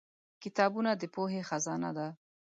کتابونه د پوهې خزانه ده.